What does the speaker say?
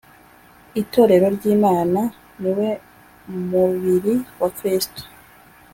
itorero ry ‘imana niwe mubiri wa kristo .